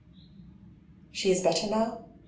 " She is better now ?